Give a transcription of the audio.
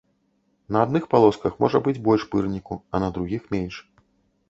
На адных палосках можа быць больш пырніку, а на другіх менш.